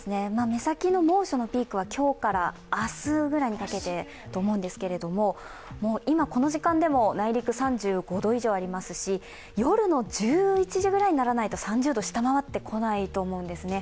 目先の猛暑のピークは今日から明日ぐらいにかけてだと思うんですけども今この時間でも内陸３５度以上ありますし、夜の１１時ぐらいにならないと３０度を下回ってこないと思うんですね。